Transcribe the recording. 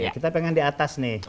kita pengen di atas nih